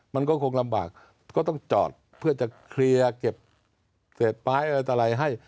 มันก็คงลำบากก็ต้องจอดเพื่อจะเคลียร์เก็บเศษปลายอะไรให้